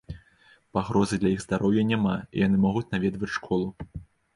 Пагрозы для іх здароўя няма і яны могуць наведваць школу.